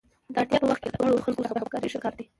د اړتیا په وخت کې له اړو خلکو سره همکاري ښه کار دی.